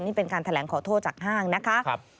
นี่เป็นการแถลงขอโทษจากห้างนะคะ